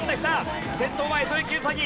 先頭はエゾユキウサギ。